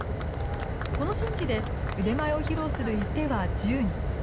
この神事で腕前を披露する射手は１０人。